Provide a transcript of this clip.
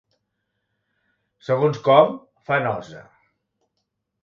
Segons com, fa nosa.